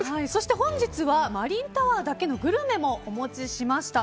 本日はマリンタワーだけのグルメもお持ちしました。